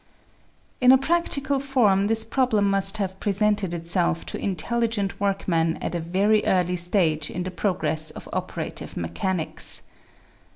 In a practical form this problem must have presented itself to intelligent workmen at a very early stage in the progress of operative mechanics.